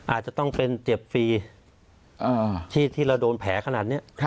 อาจจะต้องเป็นเจ็บฟรีที่เราโดนแผลขนาดนี้